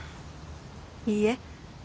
いいえ。